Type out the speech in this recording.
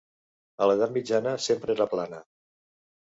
A l'Edat mitjana sempre era plana.